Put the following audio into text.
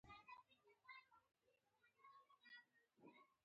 مصنوعي ځیرکتیا د زده کړې خنډونه کموي.